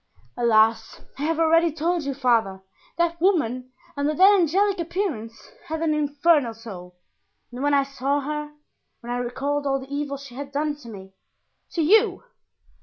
"Alas! I have already told you, father, that woman, under that angelic appearance, had an infernal soul, and when I saw her, when I recalled all the evil she had done to me——" "To you?